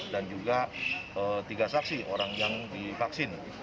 dan juga tiga saksi orang yang divaksin